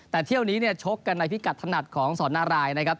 แต่เที่ยวนี้เนี่ยชกกันในพิกัดถนัดของสอนนารายนะครับ